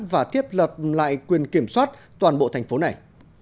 và thiết lập lại quyền kiểm soát toàn bộ thành phố này